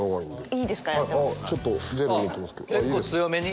いいですか？